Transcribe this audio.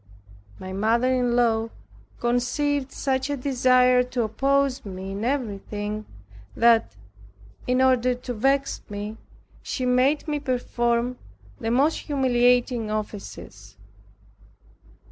My mother in law conceived such a desire to oppose me in everything, that, in order to vex me, she made me perform the most humiliating offices.